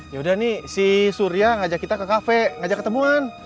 yaudah nih si surya ngajak kita ke kafe ngajak ketemuan